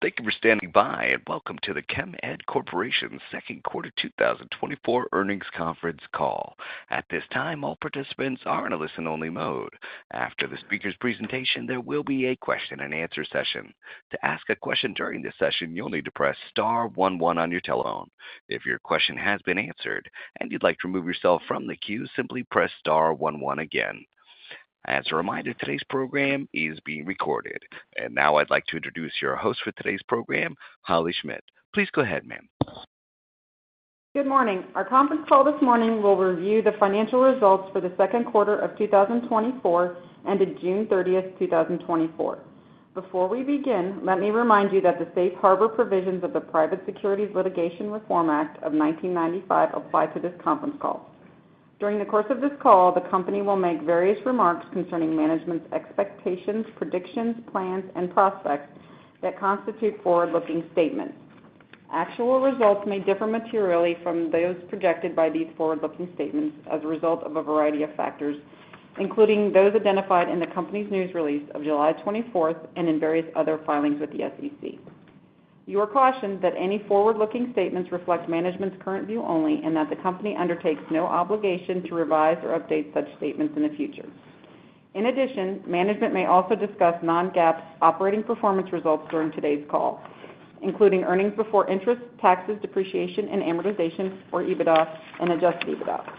Thank you for standing by, and welcome to the Chemed Corporation's Second Quarter 2024 Earnings Conference Call. At this time, all participants are in a listen-only mode. After the speaker's presentation, there will be a question-and-answer session. To ask a question during this session, you'll need to press star one one on your telephone. If your question has been answered and you'd like to remove yourself from the queue, simply press star one one again. As a reminder, today's program is being recorded. Now I'd like to introduce your host for today's program, Holley Schmidt. Please go ahead, ma'am. Good morning. Our conference call this morning will review the financial results for the second quarter of 2024, ended June 30, 2024. Before we begin, let me remind you that the safe harbor provisions of the Private Securities Litigation Reform Act of 1995 apply to this conference call. During the course of this call, the company will make various remarks concerning management's expectations, predictions, plans, and prospects that constitute forward-looking statements. Actual results may differ materially from those projected by these forward-looking statements as a result of a variety of factors, including those identified in the company's news release of July 24 and in various other filings with the SEC. You are cautioned that any forward-looking statements reflect management's current view only and that the company undertakes no obligation to revise or update such statements in the future. In addition, management may also discuss non-GAAP operating performance results during today's call, including earnings before interest, taxes, depreciation, and amortization, or EBITDA, Adjusted EBITDA.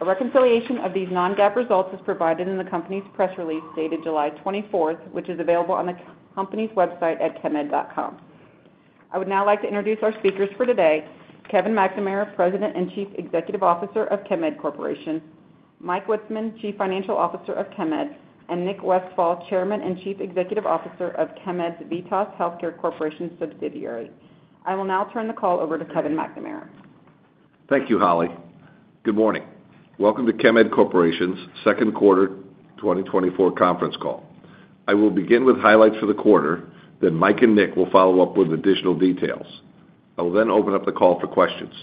a reconciliation of these non-GAAP results is provided in the company's press release dated July 24th, which is available on the company's website at chemed.com. I would now like to introduce our speakers for today, Kevin McNamara, President and Chief Executive Officer of Chemed Corporation, Mike Witzeman, Chief Financial Officer of Chemed, and Nick Westfall, Chairman and Chief Executive Officer of Chemed's VITAS Healthcare Corporation subsidiary. I will now turn the call over to Kevin McNamara. Thank you, Holley. Good morning. Welcome to Chemed Corporation's second quarter 2024 conference call. I will begin with highlights for the quarter, then Mike and Nick will follow up with additional details. I will then open up the call for questions.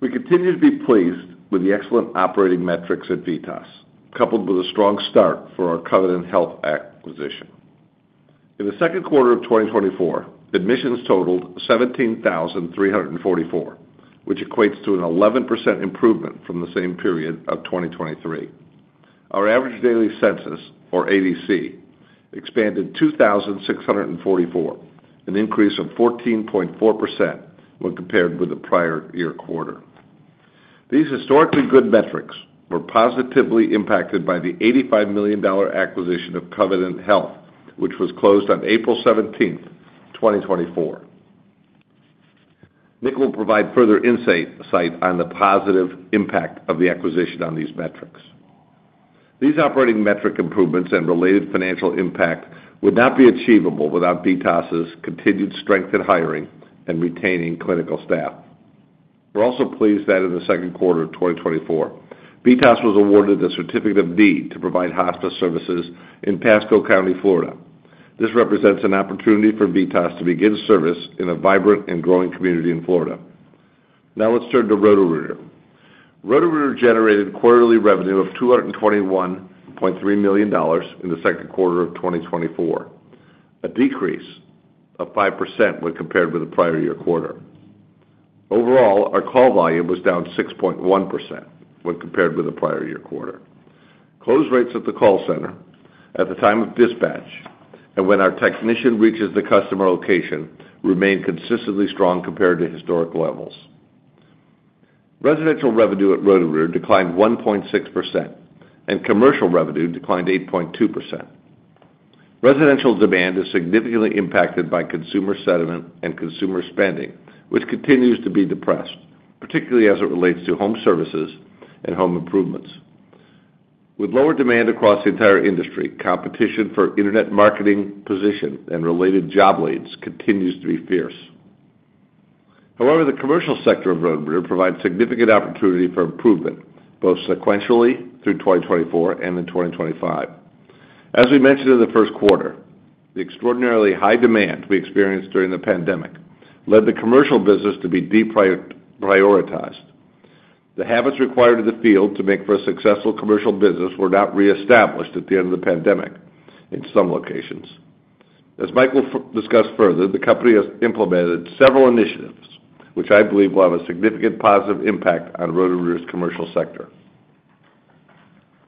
We continue to be pleased with the excellent operating metrics at VITAS, coupled with a strong start for our Covenant Health acquisition. In the second quarter of 2024, admissions totaled 17,344, which equates to an 11% improvement from the same period of 2023. Our average daily census, or ADC, expanded 2,644, an increase of 14.4% when compared with the prior-year quarter. These historically good metrics were positively impacted by the $85 million acquisition of Covenant Health, which was closed on April 17, 2024. Nick will provide further insight, insight on the positive impact of the acquisition on these metrics. These operating metric improvements and related financial impact would not be achievable without VITAS's continued strength in hiring and retaining clinical staff. We're also pleased that in the second quarter of 2024, VITAS was awarded a Certificate of Need to provide hospice services in Pasco County, Florida. This represents an opportunity for VITAS to begin service in a vibrant and growing community in Florida. Now let's turn to Roto-Rooter. Roto-Rooter generated quarterly revenue of $221.3 million in the second quarter of 2024, a decrease of 5% when compared with the prior year quarter. Overall, our call volume was down 6.1% when compared with the prior year quarter. Close rates at the call center at the time of dispatch and when our technician reaches the customer location remain consistently strong compared to historical levels. Residential revenue at Roto-Rooter declined 1.6%, and commercial revenue declined 8.2%. Residential demand is significantly impacted by consumer sentiment and consumer spending, which continues to be depressed, particularly as it relates to home services and home improvements. With lower demand across the entire industry, competition for internet marketing position and related job leads continues to be fierce. However, the commercial sector of Roto-Rooter provides significant opportunity for improvement, both sequentially through 2024 and in 2025. As we mentioned in the first quarter, the extraordinarily high demand we experienced during the pandemic led the commercial business to be deprioritized. The habits required in the field to make for a successful commercial business were not reestablished at the end of the pandemic in some locations. As Mike will discuss further, the company has implemented several initiatives, which I believe will have a significant positive impact on Roto-Rooter's commercial sector.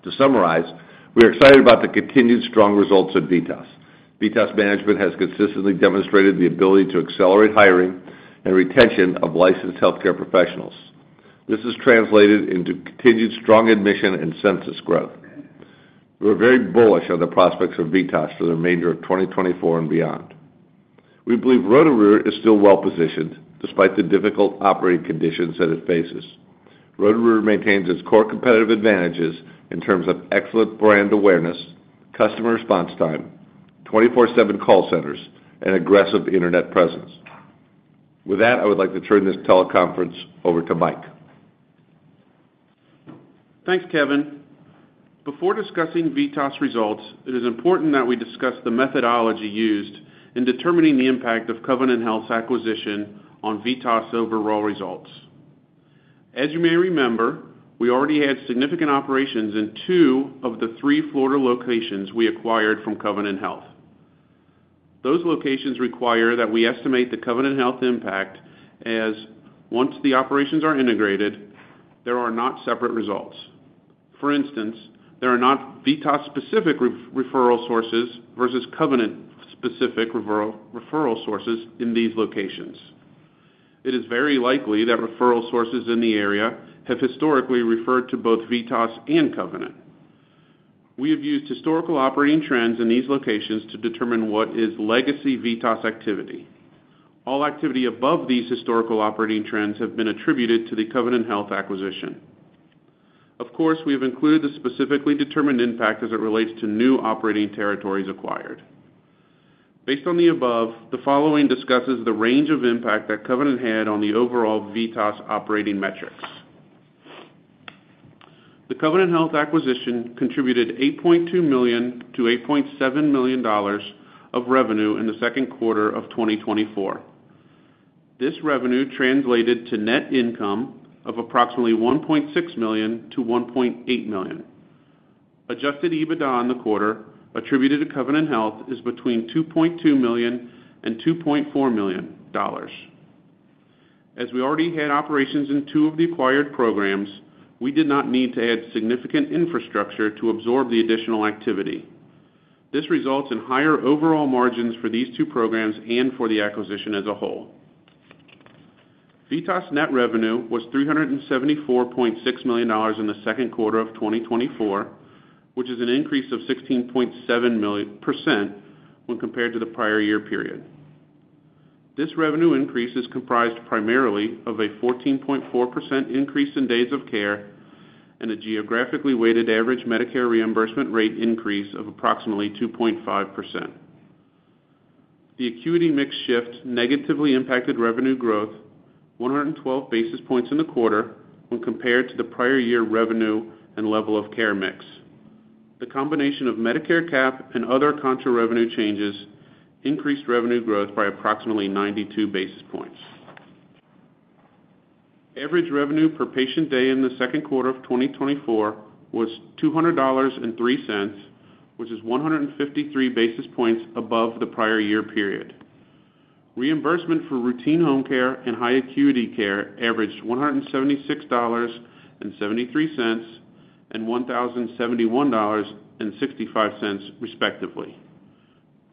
To summarize, we are excited about the continued strong results at VITAS. VITAS management has consistently demonstrated the ability to accelerate hiring and retention of licensed healthcare professionals. This has translated into continued strong admission and census growth. We're very bullish on the prospects of VITAS for the remainder of 2024 and beyond. We believe Roto-Rooter is still well-positioned, despite the difficult operating conditions that it faces. Roto-Rooter maintains its core competitive advantages in terms of excellent brand awareness, customer response time, 24/7 call centers, and aggressive internet presence. With that, I would like to turn this teleconference over to Mike. Thanks, Kevin. Before discussing VITAS results, it is important that we discuss the methodology used in determining the impact of Covenant Health's acquisition on VITAS' overall results. As you may remember, we already had significant operations in two of the three Florida locations we acquired from Covenant Health. Those locations require that we estimate the Covenant Health impact as once the operations are integrated, there are not separate results. For instance, there are not VITAS-specific referral sources versus Covenant-specific referral sources in these locations. It is very likely that referral sources in the area have historically referred to both VITAS and Covenant. We have used historical operating trends in these locations to determine what is legacy VITAS activity. All activity above these historical operating trends have been attributed to the Covenant Health acquisition. Of course, we have included the specifically determined impact as it relates to new operating territories acquired. Based on the above, the following discusses the range of impact that Covenant had on the overall VITAS operating metrics. The Covenant Health acquisition contributed $8.2 million-$8.7 million of revenue in the second quarter of 2024. This revenue translated to net income of approximately $1.6 million-$1.8 million. Adjusted EBITDA in the quarter, attributed to Covenant Health, is between $2.2 million and $2.4 million. As we already had operations in two of the acquired programs, we did not need to add significant infrastructure to absorb the additional activity. This results in higher overall margins for these two programs and for the acquisition as a whole. VITAS' net revenue was $374.6 million in the second quarter of 2024, which is an increase of 16.7% when compared to the prior year period. This revenue increase is comprised primarily of a 14.4% increase in days of care and a geographically weighted average Medicare reimbursement rate increase of approximately 2.5%. The acuity mix shift negatively impacted revenue growth, 112 basis points in the quarter when compared to the prior year revenue and level of care mix. The combination of Medicare cap and other contra revenue changes increased revenue growth by approximately 92 basis points. Average revenue per patient day in the second quarter of 2024 was $200.03, which is 153 basis points above the prior year period. Reimbursement for routine home care and high acuity care averaged $176.73, and $1,071.65, respectively.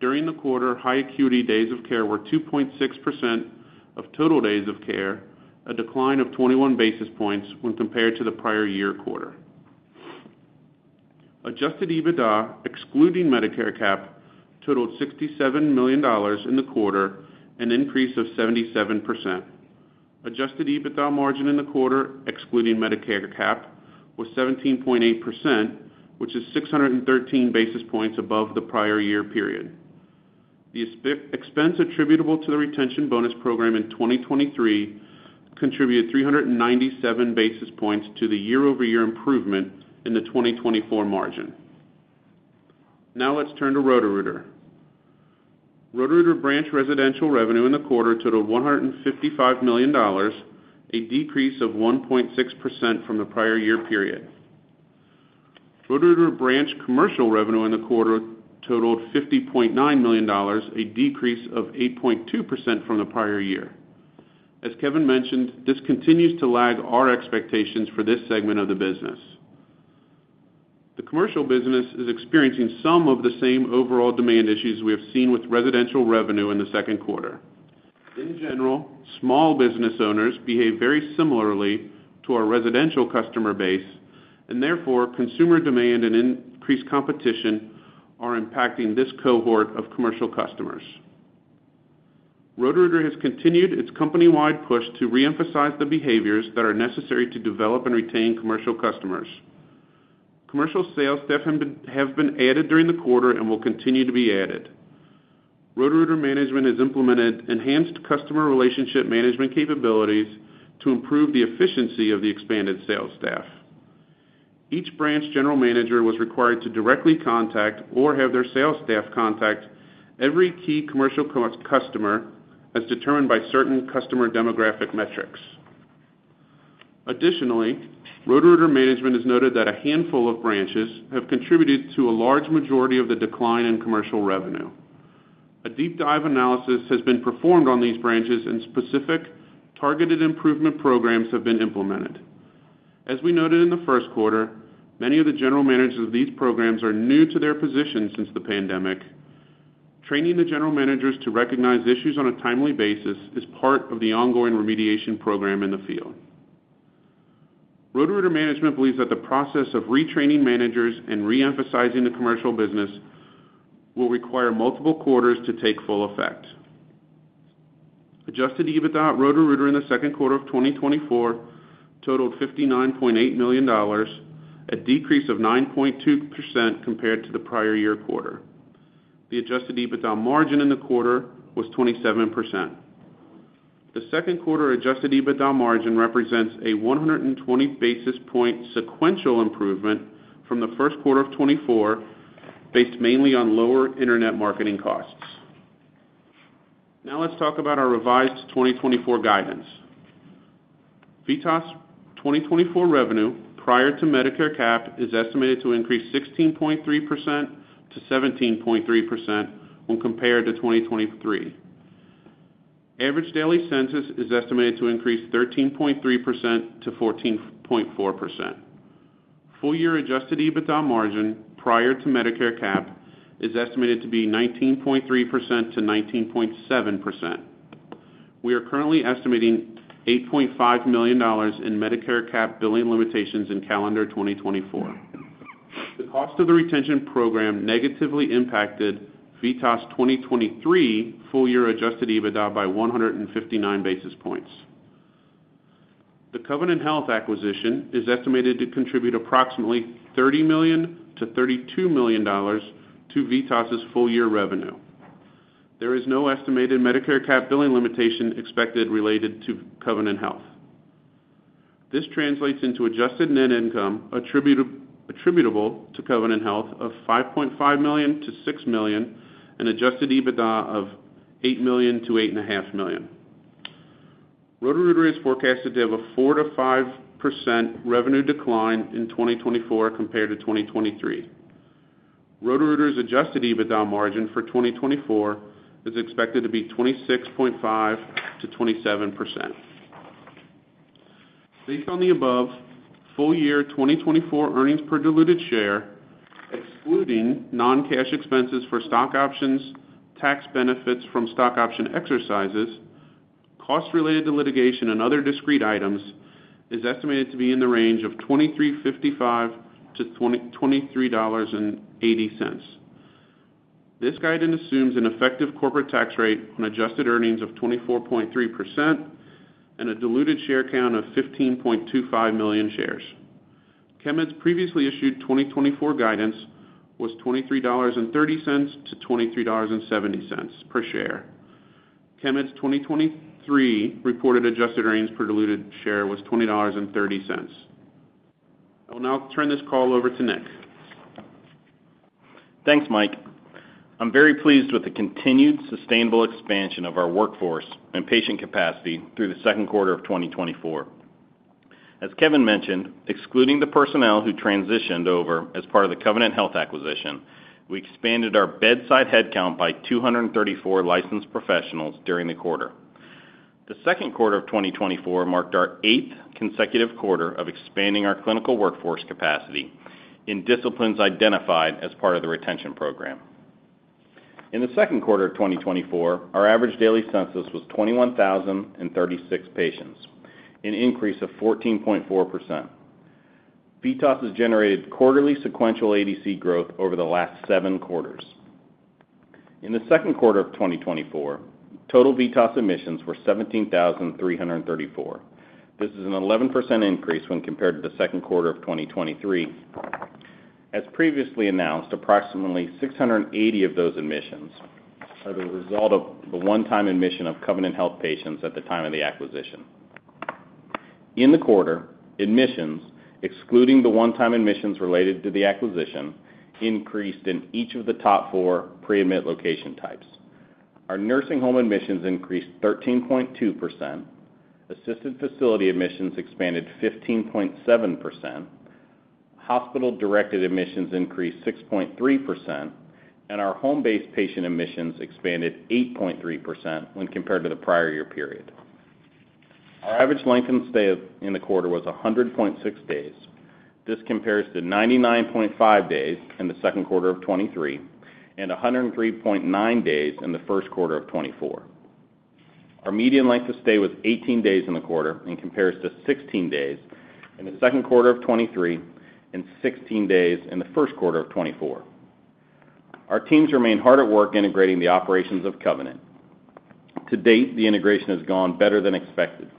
During the quarter, high acuity days of care were 2.6% of total days of care, a decline of 21 basis points when compared to the prior year quarter. Adjusted EBITDA, excluding Medicare cap, totaled $67 million in the quarter, an increase of 77%. Adjusted EBITDA margin in the quarter, excluding Medicare cap, was 17.8%, which is 613 basis points above the prior year period. The expense attributable to the retention bonus program in 2023 contributed 397 basis points to the year-over-year improvement in the 2024 margin. Now let's turn to Roto-Rooter. Roto-Rooter branch residential revenue in the quarter totaled $155 million, a decrease of 1.6% from the prior year period. Roto-Rooter branch commercial revenue in the quarter totaled $50.9 million, a decrease of 8.2% from the prior year. As Kevin mentioned, this continues to lag our expectations for this segment of the business. The commercial business is experiencing some of the same overall demand issues we have seen with residential revenue in the second quarter. In general, small business owners behave very similarly to our residential customer base, and therefore, consumer demand and increased competition are impacting this cohort of commercial customers. Roto-Rooter has continued its company-wide push to reemphasize the behaviors that are necessary to develop and retain commercial customers. Commercial sales staff have been added during the quarter and will continue to be added. Roto-Rooter management has implemented enhanced customer relationship management capabilities to improve the efficiency of the expanded sales staff. Each branch general manager was required to directly contact or have their sales staff contact every key commercial customer, as determined by certain customer demographic metrics. Additionally, Roto-Rooter management has noted that a handful of branches have contributed to a large majority of the decline in commercial revenue. A deep dive analysis has been performed on these branches, and specific targeted improvement programs have been implemented. As we noted in the first quarter, many of the general managers of these programs are new to their positions since the pandemic. Training the general managers to recognize issues on a timely basis is part of the ongoing remediation program in the field. Roto-Rooter management believes that the process of retraining managers and reemphasizing the commercial business will require multiple quarters to take full effect. Adjusted EBITDA at Roto-Rooter in the second quarter of 2024 totaled $59.8 million, a decrease of 9.2% compared to the prior year quarter. Adjusted EBITDA margin in the quarter was 27%. The second quarter Adjusted EBITDA margin represents a 120 basis point sequential improvement from the first quarter of 2024, based mainly on lower internet marketing costs. Now let's talk about our revised 2024 guidance. VITAS 2024 revenue, prior to Medicare cap, is estimated to increase 16.3%-17.3% when compared to 2023. Average daily census is estimated to increase 13.3%-14.4%. Adjusted EBITDA margin, prior to Medicare cap, is estimated to be 19.3%-19.7%. We are currently estimating $8.5 million in Medicare cap billing limitations in calendar 2024. The cost of the retention program negatively impacted VITAS' 2023 Adjusted EBITDA by 159 basis points. The Covenant Health acquisition is estimated to contribute approximately $30 million-$32 million to VITAS' full-year revenue. There is no estimated Medicare cap billing limitation expected related to Covenant Health. This translates into adjusted net income attributable to Covenant Health of $5.5 million-$6 million, Adjusted EBITDA of $8 million-$8.5 million. Roto-Rooter is forecasted to have a 4%-5% revenue decline in 2024 compared to 2023. Adjusted EBITDA margin for 2024 is expected to be 26.5%-27%. Based on the above, full year 2024 earnings per diluted share, excluding non-cash expenses for stock options, tax benefits from stock option exercises, costs related to litigation and other discrete items, is estimated to be in the range of $23.55-$23.80. This guidance assumes an effective corporate tax rate on adjusted earnings of 24.3% and a diluted share count of 15.25 million shares. Chemed's previously issued 2024 guidance was $23.30-$23.70 per share. Chemed's 2023 reported adjusted earnings per diluted share was $20.30. I will now turn this call over to Nick. Thanks, Mike. I'm very pleased with the continued sustainable expansion of our workforce and patient capacity through the second quarter of 2024. As Kevin mentioned, excluding the personnel who transitioned over as part of the Covenant Health acquisition, we expanded our bedside headcount by 234 licensed professionals during the quarter. The second quarter of 2024 marked our eighth consecutive quarter of expanding our clinical workforce capacity in disciplines identified as part of the retention program. In the second quarter of 2024, our average daily census was 21,036 patients, an increase of 14.4%. VITAS has generated quarterly sequential ADC growth over the last seven quarters. In the second quarter of 2024, total VITAS admissions were 17,334. This is an 11% increase when compared to the second quarter of 2023. As previously announced, approximately 680 of those admissions are the result of the one-time admission of Covenant Health patients at the time of the acquisition. In the quarter, admissions, excluding the one-time admissions related to the acquisition, increased in each of the top four pre-admit location types. Our nursing home admissions increased 13.2%, assisted facility admissions expanded 15.7%, hospital-directed admissions increased 6.3%, and our home-based patient admissions expanded 8.3% when compared to the prior year period. Our average length of stay in the quarter was 100.6 days. This compares to 99.5 days in the second quarter of 2023, and 103.9 days in the first quarter of 2024. Our median length of stay was 18 days in the quarter, and compares to 16 days in the second quarter of 2023, and 16 days in the first quarter of 2024. Our teams remain hard at work integrating the operations of Covenant. To date, the integration has gone better than expected.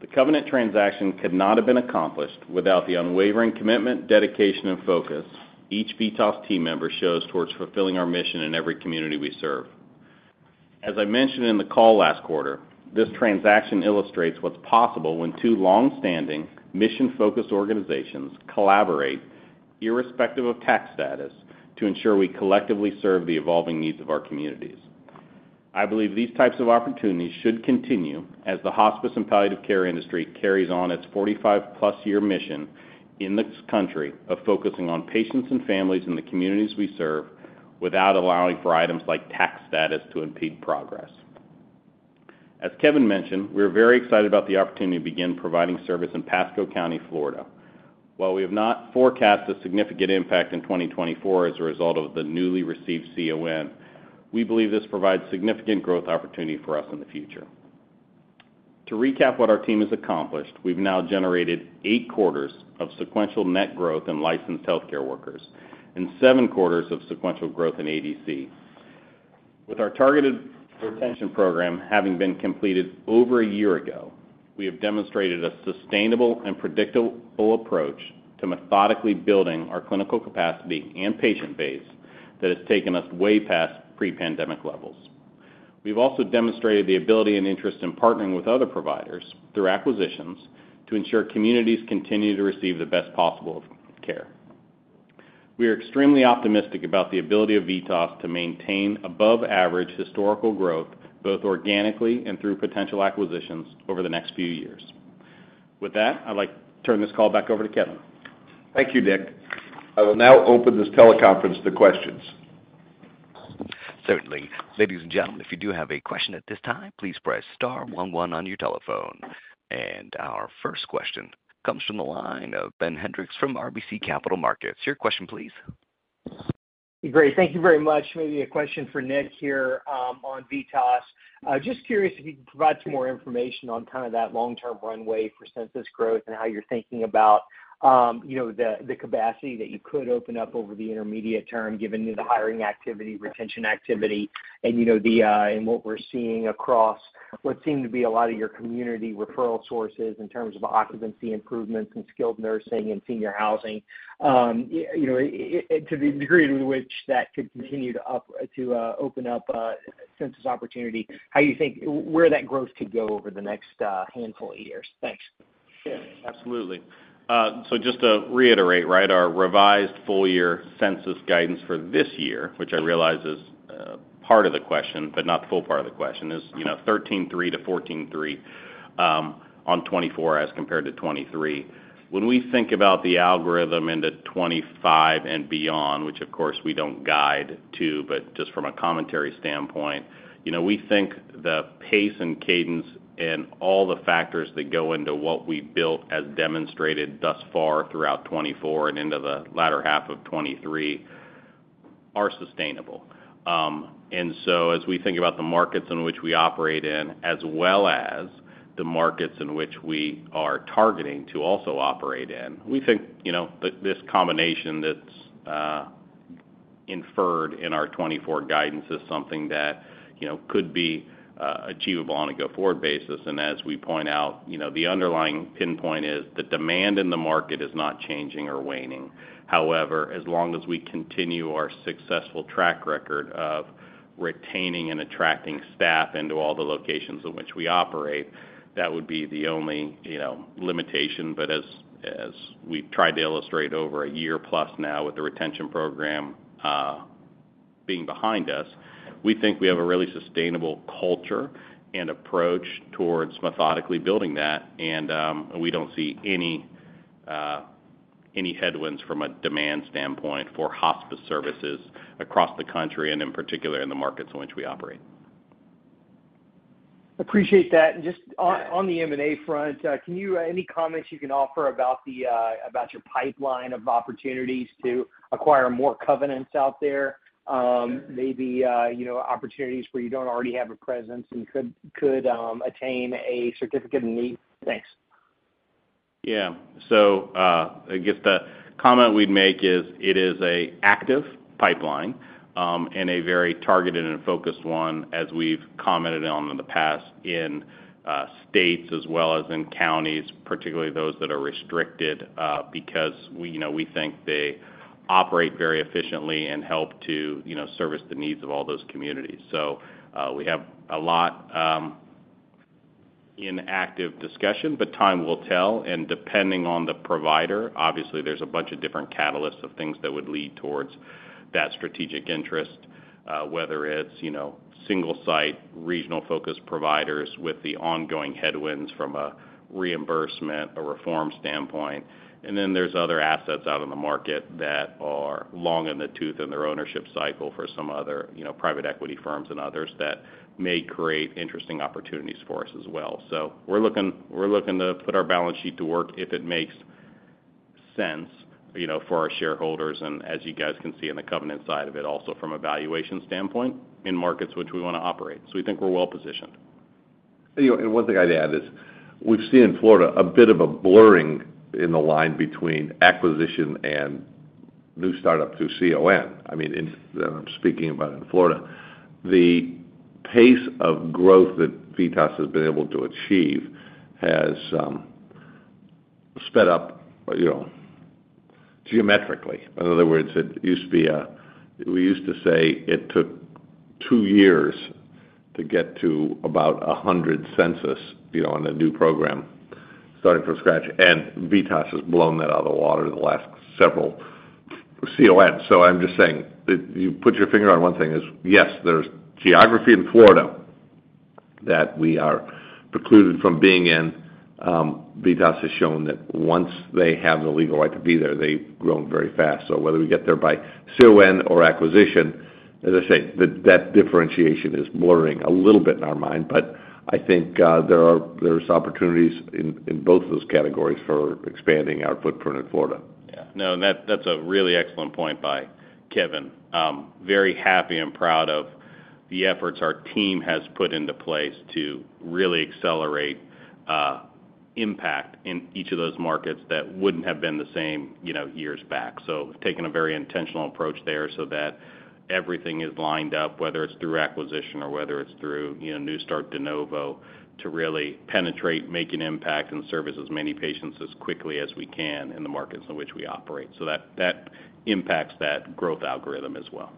The Covenant transaction could not have been accomplished without the unwavering commitment, dedication, and focus each VITAS team member shows towards fulfilling our mission in every community we serve. As I mentioned in the call last quarter, this transaction illustrates what's possible when two long-standing, mission-focused organizations collaborate, irrespective of tax status, to ensure we collectively serve the evolving needs of our communities. I believe these types of opportunities should continue as the hospice and palliative care industry carries on its 45+ year mission in this country of focusing on patients and families in the communities we serve, without allowing for items like tax status to impede progress. As Kevin mentioned, we're very excited about the opportunity to begin providing service in Pasco County, Florida. While we have not forecast a significant impact in 2024 as a result of the newly received CON, we believe this provides significant growth opportunity for us in the future. To recap what our team has accomplished, we've now generated 8 quarters of sequential net growth in licensed healthcare workers and seven quarters of sequential growth in ADC. With our targeted retention program having been completed over a year ago, we have demonstrated a sustainable and predictable approach to methodically building our clinical capacity and patient base that has taken us way past pre-pandemic levels. We've also demonstrated the ability and interest in partnering with other providers through acquisitions to ensure communities continue to receive the best possible care. We are extremely optimistic about the ability of VITAS to maintain above average historical growth, both organically and through potential acquisitions over the next few years. With that, I'd like to turn this call back over to Kevin. Thank you, Nick. I will now open this teleconference to questions. Certainly. Ladies and gentlemen, if you do have a question at this time, please press star one, one on your telephone. And our first question comes from the line of Ben Hendrix from RBC Capital Markets. Your question, please. Great. Thank you very much. Maybe a question for Nick here on VITAS. Just curious if you can provide some more information on kind of that long-term runway for census growth and how you're thinking about, you know, the capacity that you could open up over the intermediate term, given the hiring activity, retention activity, and you know, what we're seeing across what seem to be a lot of your community referral sources in terms of occupancy improvements in skilled nursing and senior housing. You know, to the degree to which that could continue to up to open up census opportunity, how you think where that growth could go over the next handful of years? Thanks. Yeah, absolutely. So just to reiterate, right, our revised full year census guidance for this year, which I realize is part of the question, but not the full part of the question, is, you know, 13.3-14.3 on 2024 as compared to 2023. When we think about the algorithm into 2025 and beyond, which, of course, we don't guide to, but just from a commentary standpoint, you know, we think the pace and cadence and all the factors that go into what we built as demonstrated thus far throughout 2024 and into the latter half of 2023, are sustainable. And so as we think about the markets in which we operate in, as well as the markets in which we are targeting to also operate in, we think, you know, this combination that's inferred in our 2024 guidance is something that, you know, could be achievable on a go-forward basis. And as we point out, you know, the underlying pinpoint is, the demand in the market is not changing or waning. However, as long as we continue our successful track record of retaining and attracting staff into all the locations in which we operate, that would be the only, you know, limitation. But as we've tried to illustrate over a year plus now, with the retention program being behind us, we think we have a really sustainable culture and approach towards methodically building that, and we don't see any headwinds from a demand standpoint for hospice services across the country, and in particular, in the markets in which we operate. Appreciate that. Just on the M&A front, can you any comments you can offer about your pipeline of opportunities to acquire more Covenants out there? Maybe, you know, opportunities where you don't already have a presence and could attain a Certificate of Need. Thanks. Yeah. So, I guess the comment we'd make is, it is an active pipeline, and a very targeted and focused one, as we've commented on in the past, in states as well as in counties, particularly those that are restricted, because we, you know, we think they operate very efficiently and help to, you know, service the needs of all those communities. So, we have a lot in active discussion, but time will tell. And depending on the provider, obviously, there's a bunch of different catalysts of things that would lead towards that strategic interest, whether it's, you know, single site, regional focused providers with the ongoing headwinds from a reimbursement or reform standpoint. And then there's other assets out in the market that are long in the tooth in their ownership cycle for some other, you know, private equity firms and others that may create interesting opportunities for us as well. So we're looking, we're looking to put our balance sheet to work if it makes sense, you know, for our shareholders, and as you guys can see in the Covenant side of it, also from a valuation standpoint, in markets which we want to operate. So we think we're well positioned. You know, and one thing I'd add is, we've seen in Florida a bit of a blurring in the line between acquisition and new startup through CON. I mean, and I'm speaking about in Florida. The pace of growth that VITAS has been able to achieve has sped up, you know, geometrically. In other words, it used to be, We used to say it took two years to get to about a 100 census, you know, on a new program, starting from scratch, and VITAS has blown that out of the water in the last several CON. So I'm just saying, that you put your finger on one thing is, yes, there's geography in Florida that we are precluded from being in. VITAS has shown that once they have the legal right to be there, they've grown very fast. So whether we get there by CON or acquisition, as I say, that differentiation is blurring a little bit in our mind, but I think, there's opportunities in both of those categories for expanding our footprint in Florida. Yeah. No, and that, that's a really excellent point by Kevin. Very happy and proud of the efforts our team has put into place to really accelerate, impact in each of those markets that wouldn't have been the same, you know, years back. So we've taken a very intentional approach there so that everything is lined up, whether it's through acquisition or whether it's through, you know, new start de novo, to really penetrate, make an impact, and service as many patients as quickly as we can in the markets in which we operate. So that, that impacts that growth algorithm as well. ...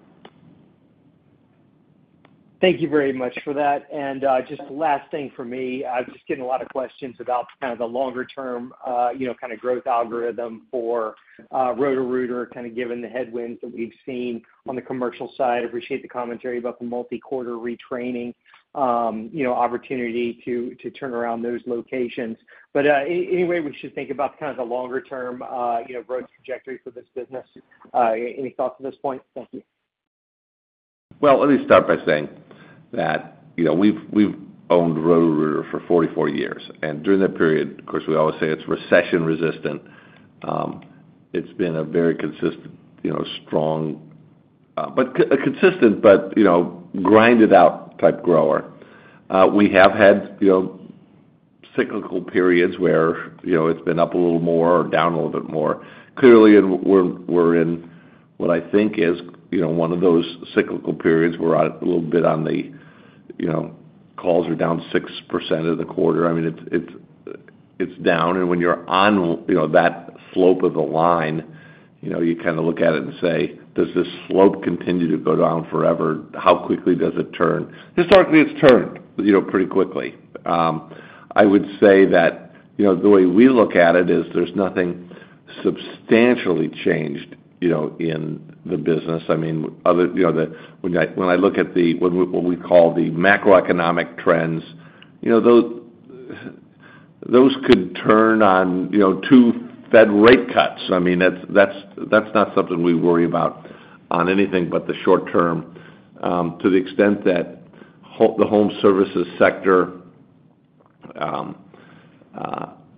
Thank you very much for that. And, just the last thing for me, I was just getting a lot of questions about kind of the longer term, you know, kind of growth algorithm for, Roto-Rooter, kind of given the headwinds that we've seen on the commercial side. Appreciate the commentary about the multi-quarter retraining, you know, opportunity to, to turn around those locations. But, any way we should think about kind of the longer term, you know, growth trajectory for this business? Any thoughts at this point? Thank you. Well, let me start by saying that, you know, we've owned Roto-Rooter for 44 years, and during that period, of course, we always say it's recession resistant. It's been a very consistent, you know, strong, but a consistent, but, you know, grinded out type grower. We have had, you know, cyclical periods where, you know, it's been up a little more or down a little bit more. Clearly, and we're in what I think is, you know, one of those cyclical periods where a little bit on the, you know, calls are down 6% of the quarter. I mean, it's down, and when you're on, you know, that slope of the line, you know, you kind of look at it and say, "Does this slope continue to go down forever? How quickly does it turn?" Historically, it's turned, you know, pretty quickly. I would say that, you know, the way we look at it is there's nothing substantially changed, you know, in the business. I mean, other, you know, when I, when I look at the, what we, what we call the macroeconomic trends, you know, those could turn on, you know, two Fed rate cuts. I mean, that's, that's, that's not something we worry about on anything but the short term. To the extent that the home services sector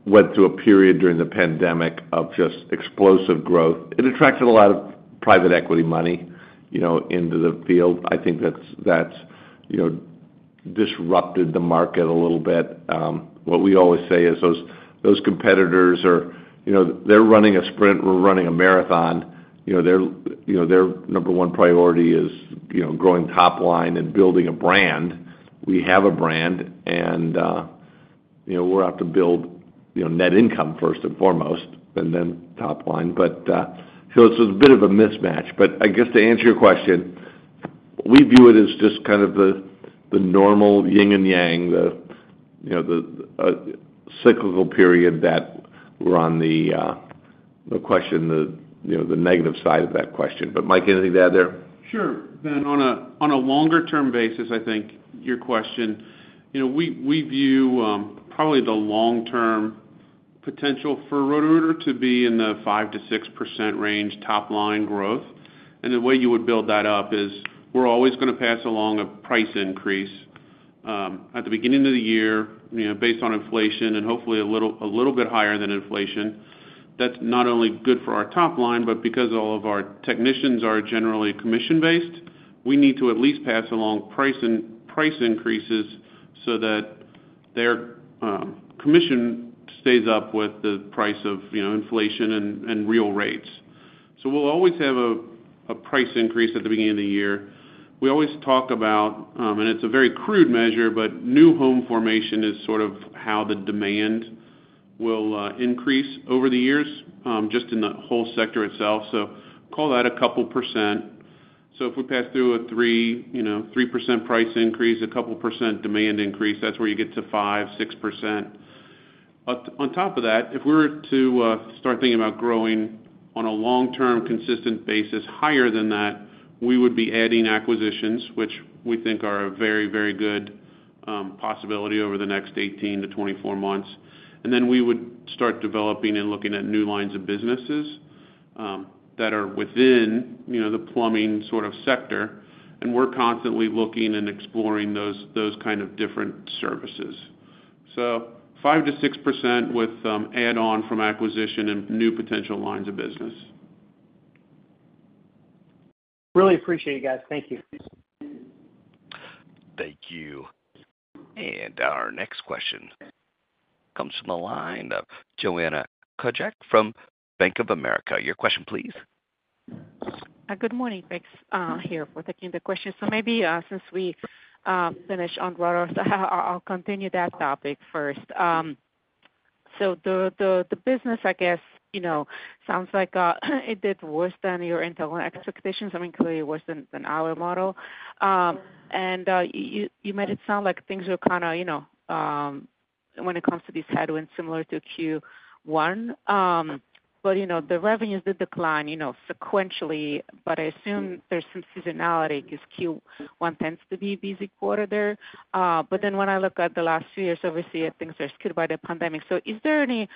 went through a period during the pandemic of just explosive growth. It attracted a lot of private equity money, you know, into the field. I think that's, that's, you know, disrupted the market a little bit. What we always say is those competitors are, you know, they're running a sprint, we're running a marathon. You know, their number one priority is, you know, growing top line and building a brand. We have a brand, and you know, we're out to build, you know, net income first and foremost, and then top line. But so it's a bit of a mismatch. But I guess to answer your question, we view it as just kind of the normal yin and yang, you know, the cyclical period that we're on the negative side of that cycle. But Mike, anything to add there? Sure. Then on a longer term basis, I think your question, you know, we view probably the long term potential for Roto-Rooter to be in the 5%-6% range, top line growth. And the way you would build that up is we're always gonna pass along a price increase at the beginning of the year, you know, based on inflation and hopefully a little bit higher than inflation. That's not only good for our top line, but because all of our technicians are generally commission-based, we need to at least pass along price increases so that their commission stays up with the price of, you know, inflation and real rates. So we'll always have a price increase at the beginning of the year. We always talk about, and it's a very crude measure, but new home formation is sort of how the demand will increase over the years, just in the whole sector itself. So call that a couple %. So if we pass through a three, you know, 3% price increase, a couple percent demand increase, that's where you get to 5%-6%. But on top of that, if we were to start thinking about growing on a long-term, consistent basis higher than that, we would be adding acquisitions, which we think are a very, very good possibility over the next 18-24 months. And then we would start developing and looking at new lines of businesses, that are within, you know, the plumbing sort of sector, and we're constantly looking and exploring those kind of different services. 5%-6% with add-on from acquisition and new potential lines of business. Really appreciate it, guys. Thank you. Thank you. Our next question comes from the line of Joanna Gajuk from Bank of America. Your question, please. Good morning. Thanks for taking the question. So maybe, since we finished on Roto-Rooter, I'll continue that topic first. So the business, I guess, you know, sounds like it did worse than your internal expectations, I mean, clearly worse than our model. And you made it sound like things were kind of, you know, when it comes to these headwinds, similar to Q1. But you know, the revenues did decline, you know, sequentially, but I assume there's some seasonality, because Q1 tends to be a busy quarter there. But then when I look at the last few years, obviously, I think they're skewed by the pandemic. So is there any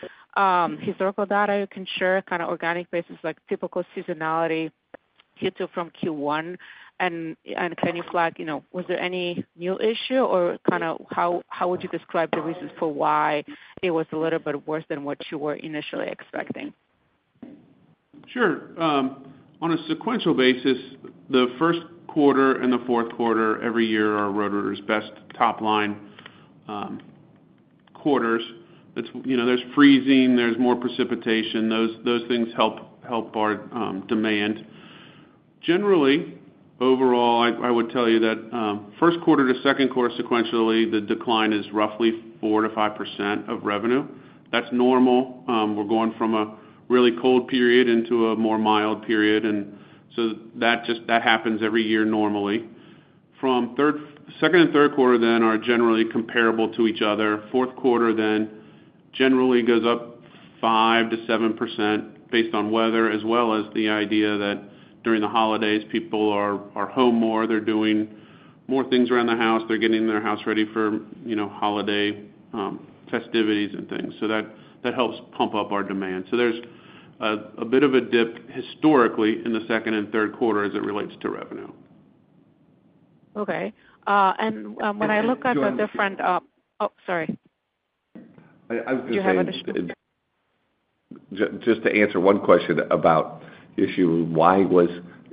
historical data you can share, kind of organic basis, like typical seasonality Q2 from Q1? Can you flag, you know, was there any new issue, or kind of how would you describe the reasons for why it was a little bit worse than what you were initially expecting? Sure. On a sequential basis, the first quarter and the fourth quarter every year are Roto-Rooter's best top line quarters. It's, you know, there's freezing, there's more precipitation. Those things help our demand. Generally, overall, I would tell you that, first quarter to second quarter sequentially, the decline is roughly 4%-5% of revenue. That's normal. We're going from a really cold period into a more mild period, and so that just happens every year normally. Second and third quarter, then, are generally comparable to each other. Fourth quarter generally goes up 5%-7% based on weather, as well as the idea that during the holidays, people are home more, they're doing more things around the house. They're getting their house ready for, you know, holiday festivities and things. So that helps pump up our demand. So there's a bit of a dip historically in the second and third quarter as it relates to revenue. Okay. When I look at the different, oh, sorry. I was gonna say- Do you have additional? Just to answer one question about the issue, why was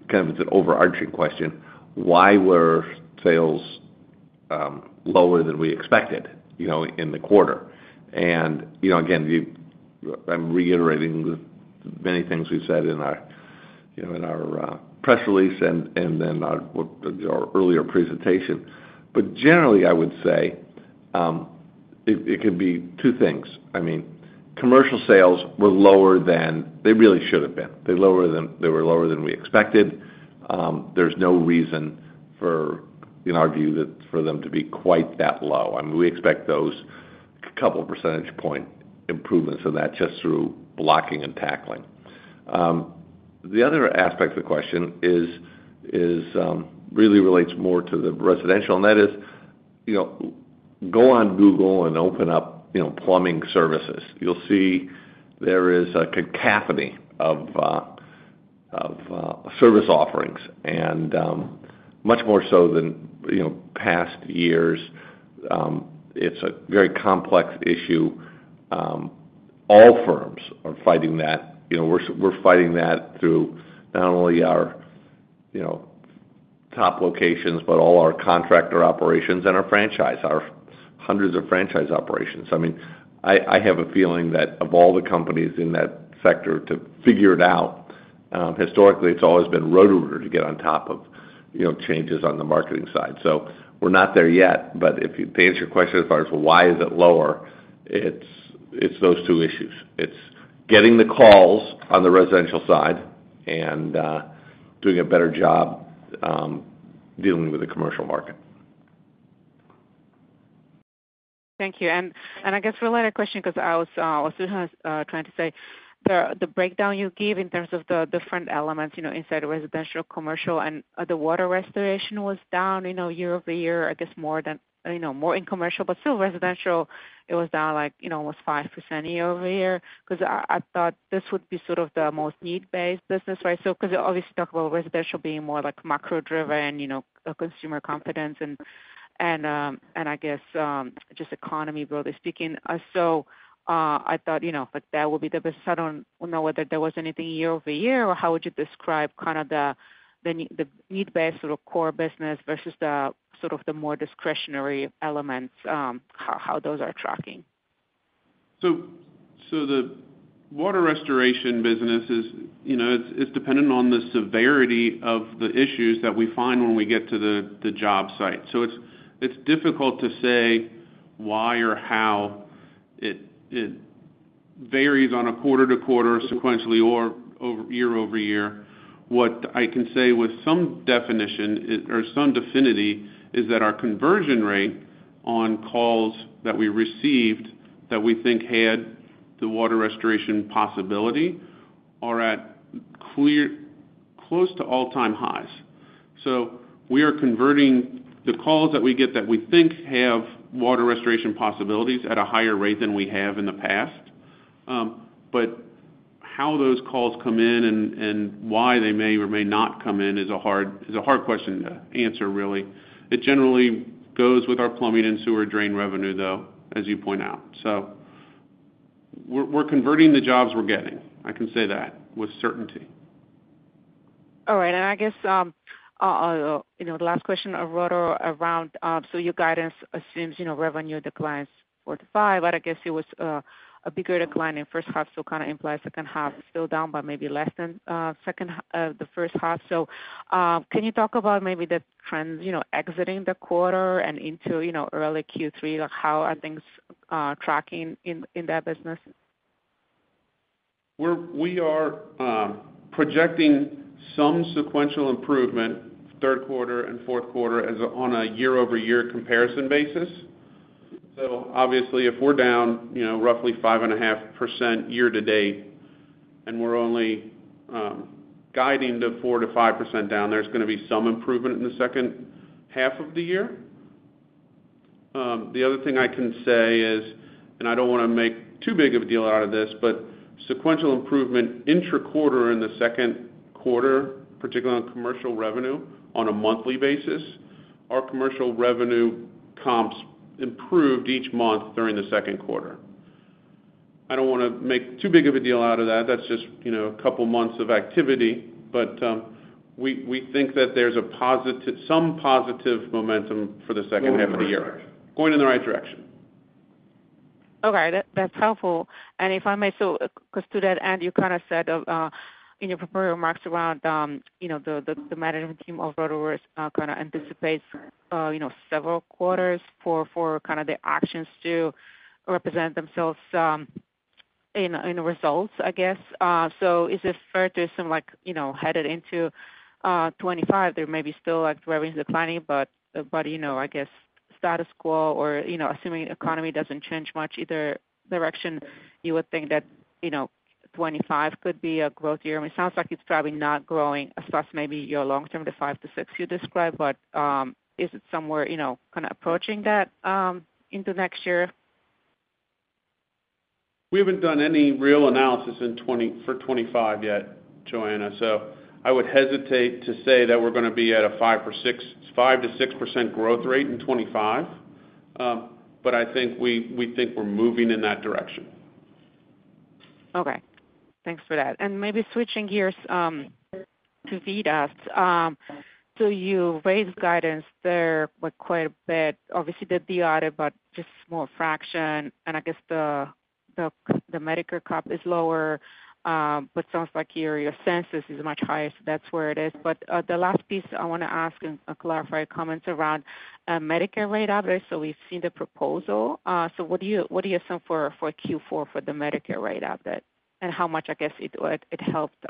kind of, it's an overarching question, why were sales lower than we expected, you know, in the quarter? And, you know, again, I'm reiterating the many things we've said in our, you know, in our press release and, and then our earlier presentation. But generally, I would say, it could be two things. I mean, commercial sales were lower than they really should have been. They're lower than we expected. There's no reason for, in our view, that for them to be quite that low. I mean, we expect those couple percentage point improvements, and that's just through blocking and tackling. The other aspect of the question is, really relates more to the residential, and that is, you know, go on Google and open up, you know, plumbing services. You'll see there is a cacophony of service offerings, and much more so than, you know, past years. It's a very complex issue. All firms are fighting that. You know, we're fighting that through not only our, you know, top locations, but all our contractor operations and our franchise, our hundreds of franchise operations. I mean, I have a feeling that of all the companies in that sector to figure it out, historically, it's always been Roto-Rooter to get on top of, you know, changes on the marketing side. So we're not there yet, but to answer your question as far as why is it lower, it's those two issues. It's getting the calls on the residential side and doing a better job dealing with the commercial market. Thank you. I guess a related question, 'cause I was also trying to say, the breakdown you gave in terms of the different elements, you know, inside residential, commercial, and the water restoration was down, you know, year-over-year, I guess more in commercial, but still residential, it was down like, you know, almost 5% year-over-year. 'Cause I thought this would be sort of the most need-based business, right? Because you obviously talk about residential being more like macro-driven, you know, a consumer confidence and I guess just economy, broadly speaking. I thought, you know, that would be the best. I don't know whether there was anything year-over-year, or how would you describe kind of the need-based or core business versus the sort of more discretionary elements, how those are tracking? So, the water restoration business is, you know, it's dependent on the severity of the issues that we find when we get to the job site. So it's difficult to say why or how it varies quarter-to-quarter, sequentially or year-over-year. What I can say with some definition, or some definitiveness, is that our conversion rate on calls that we received, that we think had the water restoration possibility, are at close to all-time highs. So we are converting the calls that we get that we think have water restoration possibilities at a higher rate than we have in the past. But how those calls come in and why they may or may not come in is a hard question to answer, really. It generally goes with our plumbing and sewer drain revenue, though, as you point out. So we're converting the jobs we're getting. I can say that with certainty. All right. I guess, you know, the last question around, so your guidance assumes, you know, revenue declines 4%-5%, but I guess it was a bigger decline in first half, so kind of implies second half, still down by maybe less than, second, the first half. So, can you talk about maybe the trends, you know, exiting the quarter and into, you know, early Q3, or how are things, tracking in that business? We are projecting some sequential improvement, third quarter and fourth quarter, as on a year-over-year comparison basis. So obviously, if we're down, you know, roughly 5.5% year-to-date, and we're only guiding to 4%-5% down, there's gonna be some improvement in the second half of the year. The other thing I can say is, and I don't wanna make too big of a deal out of this, but sequential improvement intraquarter in the second quarter, particularly on commercial revenue, on a monthly basis, our commercial revenue comps improved each month during the second quarter. I don't wanna make too big of a deal out of that. That's just, you know, a couple months of activity, but we think that there's some positive momentum for the second half of the year. Going in the right direction. Going in the right direction. Okay, that, that's helpful. And if I may, so, 'cause to that end, you kind of said in your prepared remarks around, you know, the management team of Roto-Rooter is gonna anticipate, you know, several quarters for kind of the actions to represent themselves in results, I guess. So is it fair to assume, like, you know, headed into 2025, there may be still, like, revenue declining, but you know, I guess status quo or, you know, assuming economy doesn't change much, either direction, you would think that, you know, 2025 could be a growth year. I mean, sounds like it's probably not growing as fast, maybe your long term, the 5-6 you described, but is it somewhere, you know, kind of approaching that into next year? We haven't done any real analysis in 2025 yet, Joanna, so I would hesitate to say that we're gonna be at a 5%-6% growth rate in 2025. But I think we think we're moving in that direction. Okay. Thanks for that. And maybe switching gears to VITAS. So you raised guidance there by quite a bit. Obviously, the DR, but just small fraction, and I guess the Medicare Cap is lower, but sounds like your census is much higher, so that's where it is. But the last piece I wanna ask and clarify your comments around Medicare rate out there. So we've seen the proposal. So what do you assume for Q4 for the Medicare rate out there, and how much I guess it helped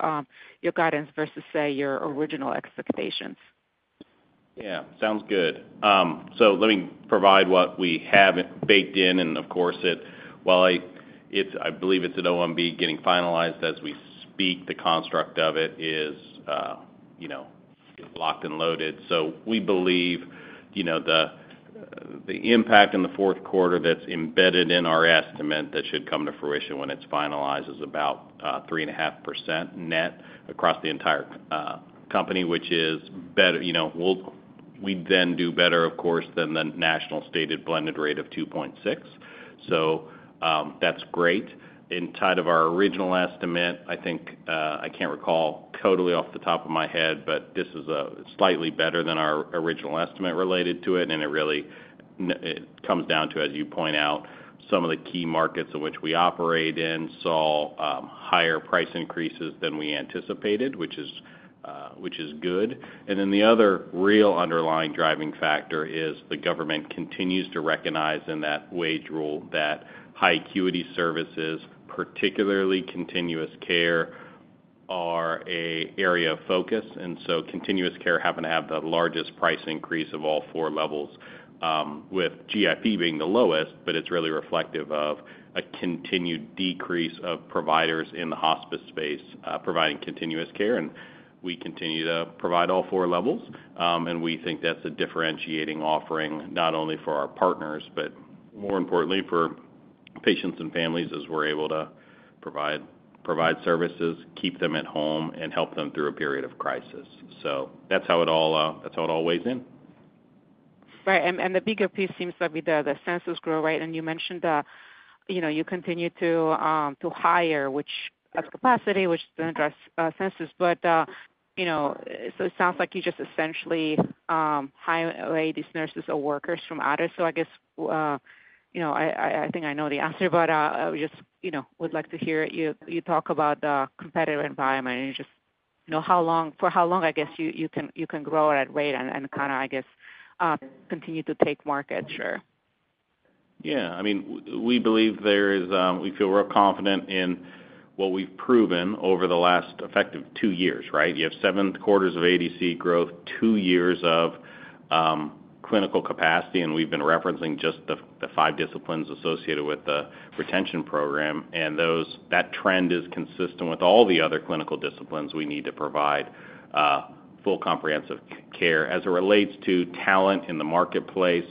your guidance versus, say, your original expectations? Yeah, sounds good. So let me provide what we have baked in, and of course, while I believe it's at OMB getting finalized as we speak, the construct of it is, you know, locked and loaded. So we believe, you know, the impact in the fourth quarter that's embedded in our estimate that should come to fruition when it's finalized, is about 3.5% net across the entire company, which is better. You know, we then do better, of course, than the national stated blended rate of 2.6%. So, that's great. Inside of our original estimate, I think, I can't recall totally off the top of my head, but this is, slightly better than our original estimate related to it, and it really comes down to, as you point out, some of the key markets in which we operate in, saw, higher price increases than we anticipated, which is, which is good. And then the other real underlying driving factor is the government continues to recognize in that wage rule that high acuity services, particularly continuous care, are an area of focus. And so continuous care happen to have the largest price increase of all four levels, with GIP being the lowest, but it's really reflective of a continued decrease of providers in the hospice space, providing continuous care, and we continue to provide all four levels. We think that's a differentiating offering, not only for our partners, but more importantly for patients and families, as we're able to provide, provide services, keep them at home, and help them through a period of crisis. So that's how it all, that's how it all weighs in. Right, and the bigger piece seems to be the census growth, right? And you mentioned, you know, you continue to hire, which adds capacity, which then addresses census. But, you know, so it sounds like you just essentially hire away these nurses or workers from others. So I guess, you know, I think I know the answer, but, I just, you know, would like to hear you talk about the competitive environment and just, you know, how long—for how long, I guess you can grow at that rate and kind of, I guess, continue to take market share. Yeah. I mean, we believe there is... We feel we're confident in what we've proven over the last effective two years, right? You have seven quarters of ADC growth, two years of clinical capacity, and we've been referencing just the five disciplines associated with the retention program, and that trend is consistent with all the other clinical disciplines we need to provide full comprehensive care. As it relates to talent in the marketplace,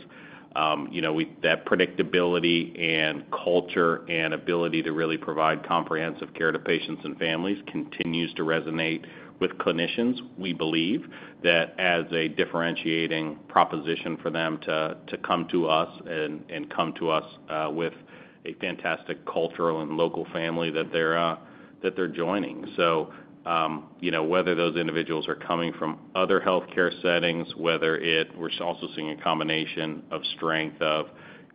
you know, that predictability and culture and ability to really provide comprehensive care to patients and families continues to resonate with clinicians. We believe that as a differentiating proposition for them to come to us and come to us with a fantastic cultural and local family that they're that they're joining. So, you know, whether those individuals are coming from other healthcare settings, whether it... We're also seeing a combination of strength of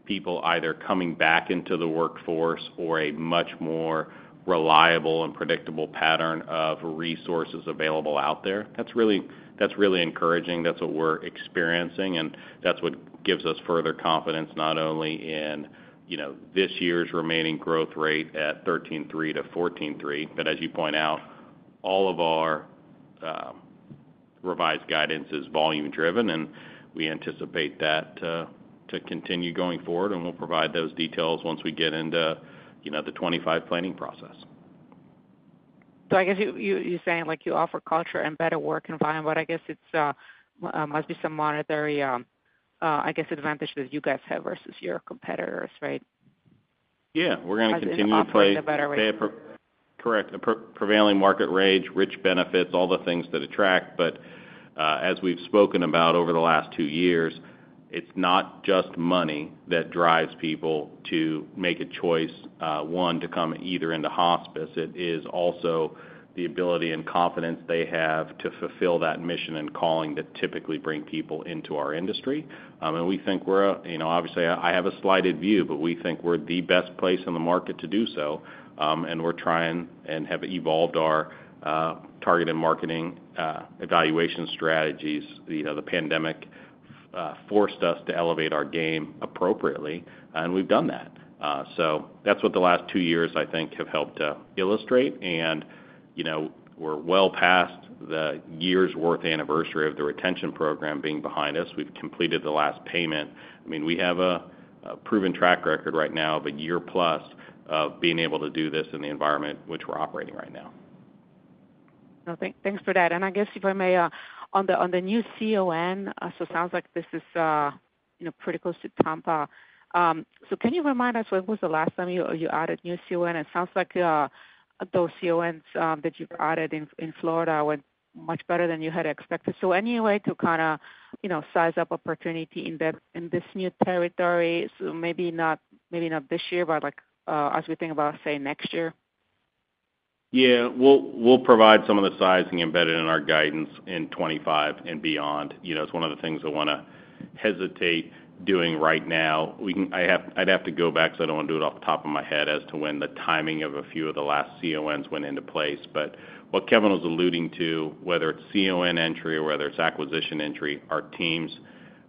people either coming back into the workforce or a much more reliable and predictable pattern of resources available out there. That's really, that's really encouraging. That's what we're experiencing, and that's what gives us further confidence, not only in, you know, this year's remaining growth rate at 13.3%-14.3%, but as you point out, all of our, revised guidance is volume driven, and we anticipate that, to continue going forward, and we'll provide those details once we get into, you know, the 2025 planning process. So I guess you're saying, like, you offer culture and better work environment, but I guess it must be some monetary, I guess, advantage that you guys have versus your competitors, right? Yeah, we're gonna continue to pay- Offer a better way. Correct. Prevailing market wage, rich benefits, all the things that attract. But as we've spoken about over the last two years, it's not just money that drives people to make a choice, one, to come either into hospice. It is also the ability and confidence they have to fulfill that mission and calling that typically bring people into our industry. And we think we're, you know, obviously I have a slight bias, but we think we're the best place in the market to do so. And we're trying and have evolved our targeted marketing evaluation strategies. You know, the pandemic forced us to elevate our game appropriately, and we've done that. So that's what the last two years, I think, have helped illustrate. You know, we're well past the year's worth anniversary of the retention program being behind us. We've completed the last payment. I mean, we have a proven track record right now of a year plus of being able to do this in the environment which we're operating right now. Well, thanks for that. And I guess, if I may, on the new CON, so it sounds like this is, you know, pretty close to Tampa. So can you remind us, when was the last time you added new CON? It sounds like, those CONs that you've added in Florida went much better than you had expected. So any way to kinda, you know, size up opportunity in that in this new territory? So maybe not, maybe not this year, but like, as we think about, say, next year. Yeah. We'll, we'll provide some of the sizing embedded in our guidance in 2025 and beyond. You know, it's one of the things I wanna hesitate doing right now. We can-- I have-- I'd have to go back, so I don't wanna do it off the top of my head as to when the timing of a few of the last CONs went into place. But what Kevin was alluding to, whether it's CON entry or whether it's acquisition entry, our teams,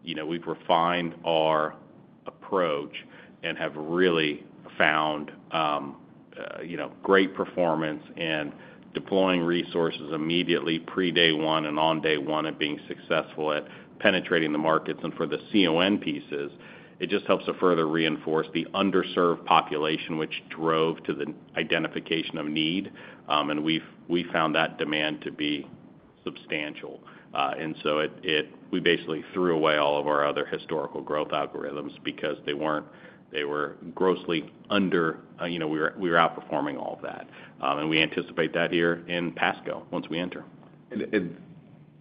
you know, we've refined our approach and have really found, you know, great performance in deploying resources immediately pre-day one and on day one, and being successful at penetrating the markets. And for the CON pieces, it just helps to further reinforce the underserved population, which drove to the identification of need. And we've found that demand to be substantial. So we basically threw away all of our other historical growth algorithms because they weren't, they were grossly under, you know, we were outperforming all of that. We anticipate that here in Pasco, once we enter.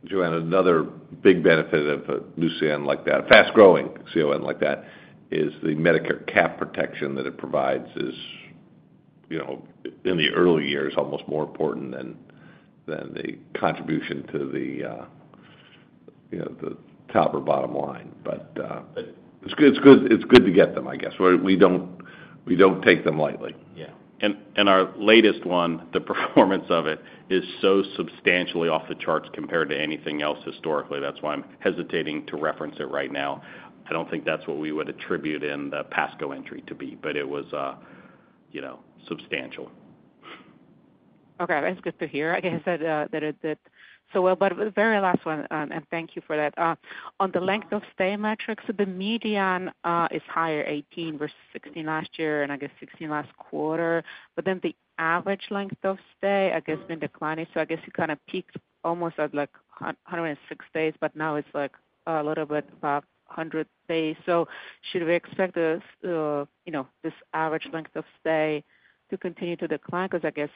Joanna, another big benefit of a new CON like that, a fast-growing CON like that, is the Medicare cap protection that it provides is, you know, in the early years, almost more important than the contribution to the, you know, the top or bottom line. But, it's good, it's good, it's good to get them, I guess. We don't take them lightly. Yeah. And our latest one, the performance of it is so substantially off the charts compared to anything else historically. That's why I'm hesitating to reference it right now. I don't think that's what we would attribute in the Pasco entry to be, but it was, you know, substantial. Okay, that's good to hear. I guess that it did so well. But the very last one, and thank you for that. On the length of stay metrics, the median is higher, 18 versus 16 last year, and I guess 16 last quarter. But then the average length of stay, I guess, been declining. So I guess it kind of peaked almost at, like, 106 days, but now it's, like, a little bit about 100 days. So should we expect this, you know, this average length of stay to continue to decline? Because I guess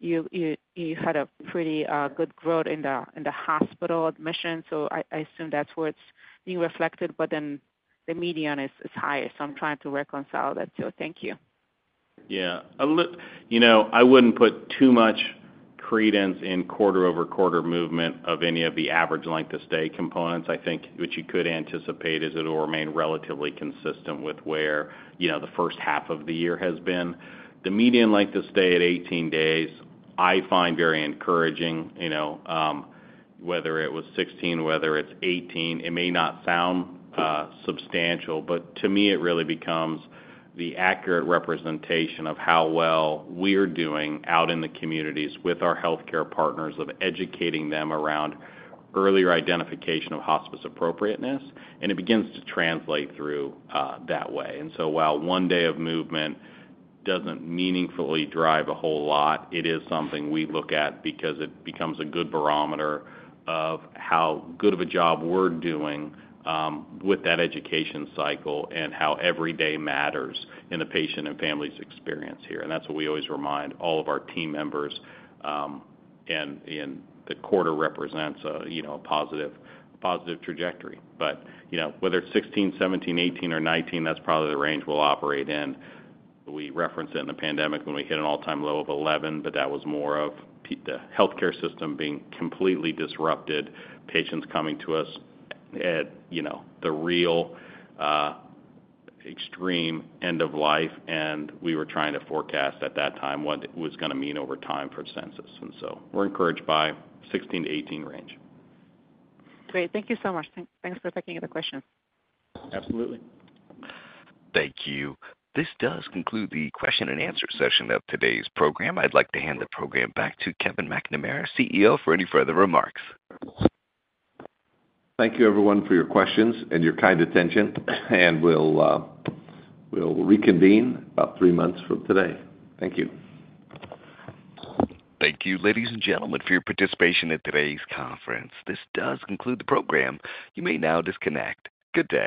you had a pretty good growth in the hospital admission, so I assume that's where it's being reflected, but then the median is higher. So I'm trying to reconcile that. So thank you. Yeah. You know, I wouldn't put too much credence in quarter-over-quarter movement of any of the average length of stay components. I think what you could anticipate is it'll remain relatively consistent with where, you know, the first half of the year has been. The median length of stay at 18 days, I find very encouraging. You know, whether it was 16, whether it's 18, it may not sound substantial, but to me, it really becomes the accurate representation of how well we're doing out in the communities with our healthcare partners, of educating them around earlier identification of hospice appropriateness, and it begins to translate through that way. So while one day of movement doesn't meaningfully drive a whole lot, it is something we look at because it becomes a good barometer of how good of a job we're doing with that education cycle, and how every day matters in the patient and family's experience here. And that's what we always remind all of our team members, and the quarter represents a, you know, a positive, positive trajectory. But, you know, whether it's 16, 17, 18, or 19, that's probably the range we'll operate in. We referenced it in the pandemic when we hit an all-time low of 11, but that was more of the healthcare system being completely disrupted, patients coming to us at, you know, the real extreme end of life, and we were trying to forecast at that time what it was gonna mean over time for census. And so we're encouraged by 16-18 range. Great. Thank you so much. Thanks for taking the question. Absolutely. Thank you. This does conclude the question and answer session of today's program. I'd like to hand the program back to Kevin McNamara, CEO, for any further remarks. Thank you, everyone, for your questions and your kind attention, and we'll reconvene about three months from today. Thank you. Thank you, ladies and gentlemen, for your participation in today's conference. This does conclude the program. You may now disconnect. Good day.